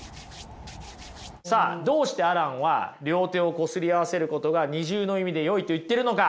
さあどうしてアランは両手をこすり合わせることが二重の意味でよいと言っているのか？